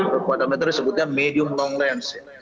kekuatan militer disebutnya medium long lens